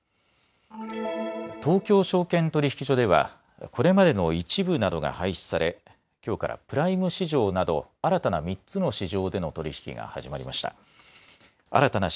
東京証券取引所ではこれまでの１部などが廃止されきょうからプライム市場など新たな３つの市場での取り引きが始まりました。